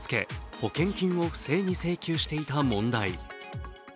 保険金を不正に請求していた問題。